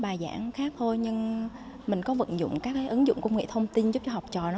bài giảng khác thôi nhưng mình có vận dụng các ứng dụng công nghệ thông tin giúp cho học trò nó